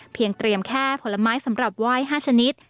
เพียงเตรียมแค่ผลไม้สำหรับไหว้๕ชนิด